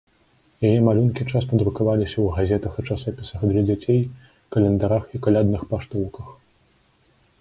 Яе малюнкі часта друкаваліся ў газетах і часопісах для дзяцей, календарах і калядных паштоўках.